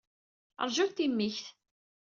Ṛjut timikt.